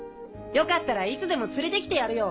よかったらいつでも連れて来てやるよ。